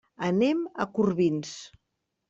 Anem a Corbins.